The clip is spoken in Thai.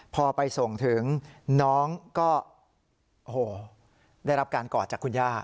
พอไปส่งถึงน้องก็โอ้โหได้รับการกอดจากคุณย่า